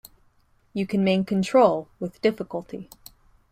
You can maintain control with difficulty.